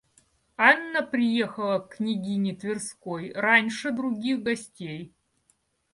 Анна приехала к княгине Тверской раньше других гостей.